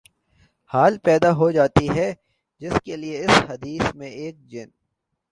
حال پیدا ہو جاتی ہے جس کے لیے اس حدیث میں ایک جن